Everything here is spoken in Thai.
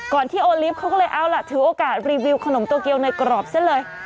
ที่โอลิฟต์เขาก็เลยเอาล่ะถือโอกาสรีวิวขนมโตเกียวในกรอบซะเลย